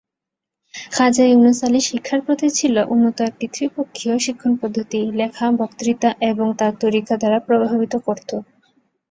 খাজা ইউনুস আলির শিক্ষার প্রতি ছিল উন্নত একটি ত্রিপক্ষীয় শিক্ষণ পদ্ধতি "লেখা" "বক্তৃতা" এবং তার তরিকা দ্বারা প্রভাবিত করত।